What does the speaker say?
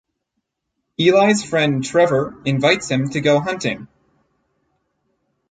Eli’s friend Trevor invites him to go hunting.